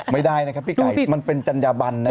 ไม่ได้นะครับพี่ไก่มันเป็นจัญยบรรย์นะครับพี่